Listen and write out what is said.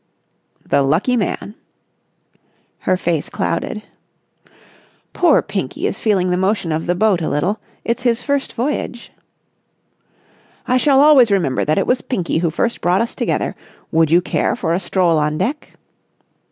"The lucky man!" Her face clouded. "Poor Pinky is feeling the motion of the boat a little. It's his first voyage." "I shall always remember that it was Pinky who first brought us together. Would you care for a stroll on deck?"